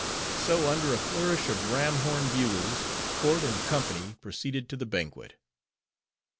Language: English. So, under a flourish of ram horn bugles, court and company proceeded to the banquet.